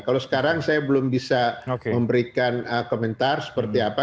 kalau sekarang saya belum bisa memberikan komentar seperti apa